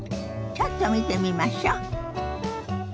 ちょっと見てみましょ。